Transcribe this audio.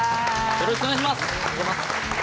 よろしくお願いします。